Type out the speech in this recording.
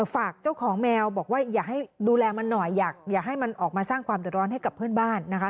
ฝากเจ้าของแมวบอกว่าอย่าให้ดูแลมันหน่อยอยากให้มันออกมาสร้างความเดือดร้อนให้กับเพื่อนบ้านนะคะ